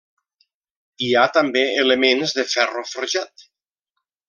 Hi ha també elements de ferro forjat.